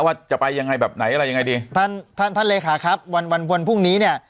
ว่าจะไปยังไงแบบไหนอะไรยังไงดีท่านท่านเลขาครับวันวันพรุ่งนี้เนี่ย